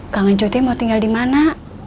kangen cuy teh mau tinggal di mana